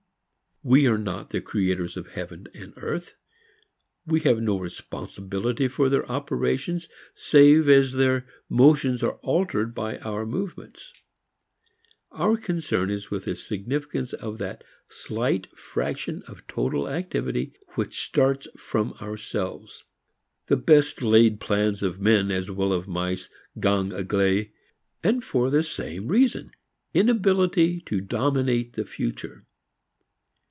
We are not the creators of heaven and earth; we have no responsibility for their operations save as their motions are altered by our movements. Our concern is with the significance of that slight fraction of total activity which starts from ourselves. The best laid plans of men as well of mice gang aglee; and for the same reason: inability to dominate the future.